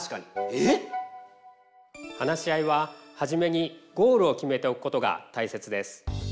えっ？話し合いははじめにゴールを決めておくことがたいせつです。